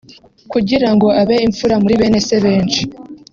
kugira ngo abe imfura muri bene se benshi